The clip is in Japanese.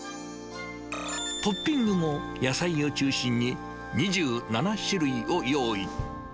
トッピングも野菜を中心に、２７種類を用意。